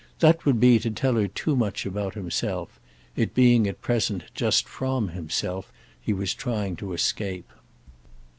That would be to tell her too much about himself—it being at present just from himself he was trying to escape.